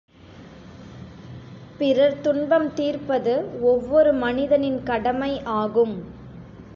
பிறர் துன்பம் தீர்ப்பது ஒவ்வொரு மனிதனின் கடமை ஆகும்.